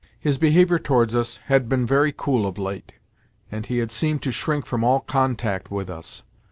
His behaviour towards us had been very cool of late, and he had seemed to shrink from all contact with us.